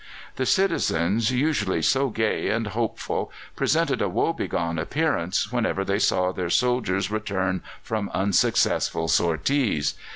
The citizens, usually so gay and hopeful, presented a woebegone appearance whenever they saw their soldiers return from unsuccessful sorties.